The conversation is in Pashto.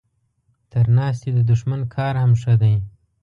تر ناستي د دښمن کار هم ښه دی.